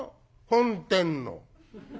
「本店の」。